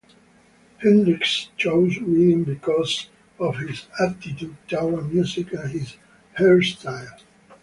Hendrix chose Redding because of his attitude towards music and his hairstyle.